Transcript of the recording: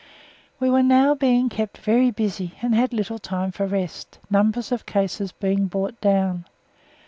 We were now being kept very busy and had little time for rest, numbers of cases being brought down.